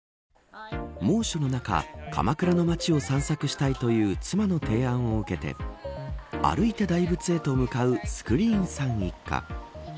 猛暑の中、鎌倉の街を散策したいという妻の提案を受けて歩いて大仏へと向かうスクリーンさん一家。